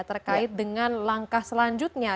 terkait dengan langkah selanjutnya